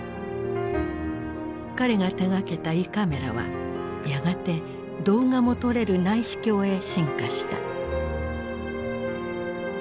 彼が手がけた胃カメラはやがて動画も撮れる内視鏡へ進化した。